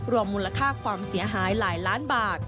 รวมมูลค่าความเสียหายหลายล้านบาท